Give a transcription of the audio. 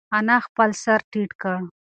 انا خپل سر ټیټ کړ.